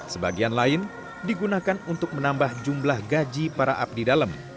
sebagian lain digunakan untuk menambah jumlah gaji para abdi dalam